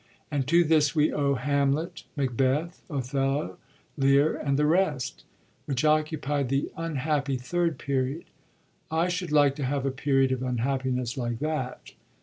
And to this we owe Handet^ Macbeth, Othello, Lear, and the rest; which occupied the ■* un happy Third Period.* I should like to have a period of unhappiness like that.